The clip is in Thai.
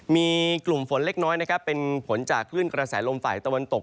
มีกลุ่มฝนเล็กน้อยเป็นผลจะขึ้นกระแสลมไฝตะวันตก